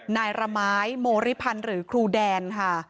นายระไม้โมริพันธ์หรือครูแดนค่ะ